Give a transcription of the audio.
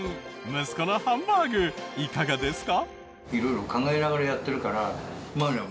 息子のハンバーグいかがですか？